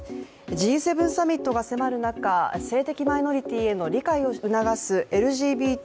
Ｇ７サミットが迫る中性的マイノリティへの理解を促すＬＧＢＴ